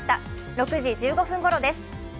６時１５分ごろです。